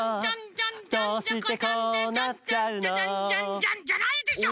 ジャンジャカジャンジャンじゃないでしょ！